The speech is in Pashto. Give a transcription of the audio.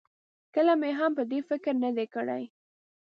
کله مې هم په دې فکر نه دی کړی.